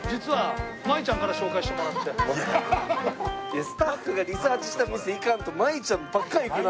いやスタッフがリサーチした店行かんとマイちゃんばっか行くな。